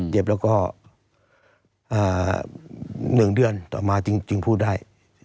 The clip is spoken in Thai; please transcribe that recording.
เจ็บแล้วก็๑เดือนต่อมาจริงพูดได้